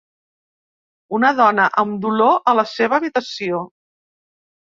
Una dona amb dolor a la seva habitació.